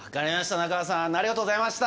中川さんありがとうございました。